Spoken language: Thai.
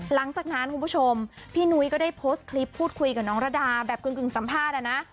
หลังจากนั้นคุณผู้ชมพี่นุ้ยก็ได้โพสต์คลิปพูดคุยกับน้องระดาแบบกึ่งสัมภาษณ์อะนะ